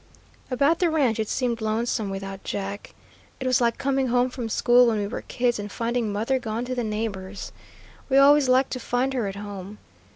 About the ranch it seemed lonesome without Jack. It was like coming home from school when we were kids and finding mother gone to the neighbor's. We always liked to find her at home.